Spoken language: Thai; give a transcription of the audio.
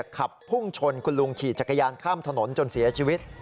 ขับพุ่งชนคุณลุงขี่จักรยานข้ามถนนจนเสียชีวิต